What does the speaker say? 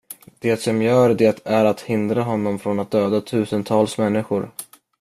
Det som gör det är att hindra honom från att döda tusentals människor.